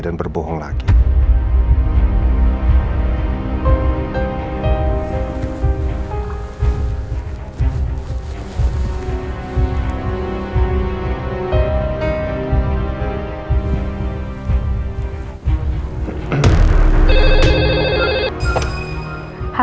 dan berbohong lah ya